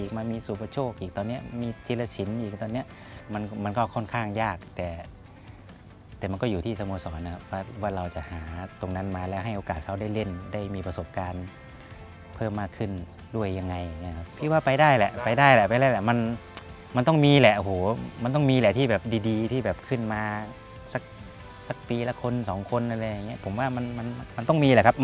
ค่อนข้างยากแต่แต่มันก็อยู่ที่สโมสรนะครับว่าเราจะหาตรงนั้นมาแล้วให้โอกาสเขาได้เล่นได้มีประสบการณ์เพิ่มมากขึ้นด้วยยังไงอย่างเงี้ยครับพี่ว่าไปได้แหละไปได้แหละไปได้แหละมันมันต้องมีแหละโหมันต้องมีแหละที่แบบดีดีที่แบบขึ้นมาสักสักปีละคนสองคนอะไรอย่างเงี้ยผมว่ามันมันมันต้องมีแหละครับม